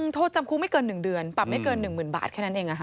โทษจำคุกไม่เกิน๑เดือนปรับไม่เกิน๑๐๐๐บาทแค่นั้นเอง